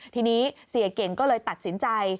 ทีนี้เสียเก่งก็เลยตัดสินใจ